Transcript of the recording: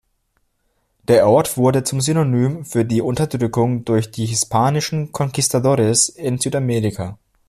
Der Ort wurde zum Synonym für die Unterdrückung durch die hispanischen Conquistadores in Südamerika.